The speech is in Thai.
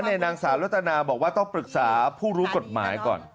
นางสาวรัตนาบอกว่าต้องปรึกษาผู้รู้กฎหมายก่อน